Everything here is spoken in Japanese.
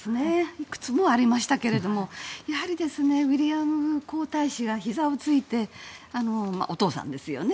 いくつもありましたけどもやはり、ウィリアム皇太子がひざをついてお父さんですよね